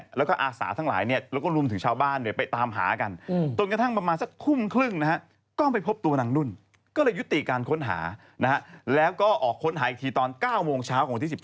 แจ้งว่าหายไปทั้งคืน๒คืนเลยนะ